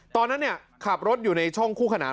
ตอนนั้นขับรถอยู่ในช่องคู่ขนาน